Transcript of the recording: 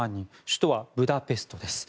首都はブダペストです。